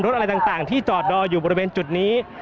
อะไรต่างที่จอดรออยู่บริเวณจุดนี้